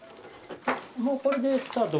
もう、これでスタート。